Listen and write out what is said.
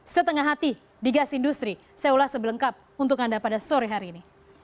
setengah hati di gas industri saya ulas sebelengkap untuk anda pada sore hari ini